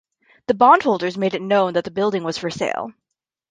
The bondholders made it known that the building was for sale.